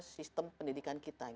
sistem pendidikan kita